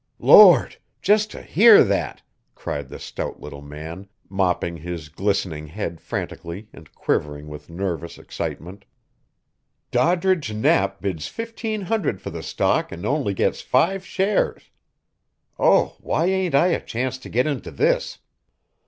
"Lord! Just to hear that!" cried the stout little man, mopping his glistening head frantically and quivering with nervous excitement. "Doddridge Knapp bids fifteen hundred for the stock and only gets five shares. Oh, why ain't I a chance to get into this?"